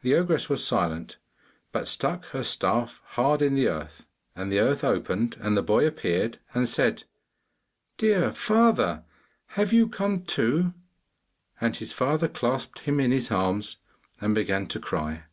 The ogress was silent, but stuck her staff hard in the earth, and the earth opened, and the boy appeared and said, 'Dear father, have you come too?' And his father clasped him in his arms, and began to cry.